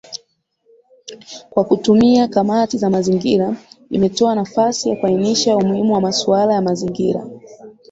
Kwa kutumia kamati za mazingira imetoa nafasi ya kuainisha umuhimu wa masuala ya mazingira